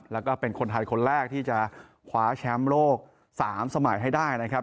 แล้วก็เป็นคนไทยคนแรกที่จะคว้าแชมป์โลก๓สมัยให้ได้นะครับ